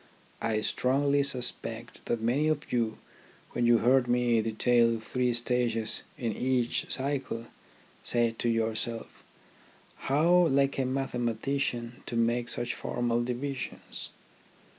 I strongly suspect that many of you, when you heard me detail the three stages in each cycle, said to yourselves How like a mathematician to make such formal divisions